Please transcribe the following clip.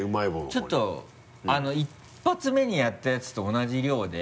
ちょっと１発目にやったやつと同じ量で。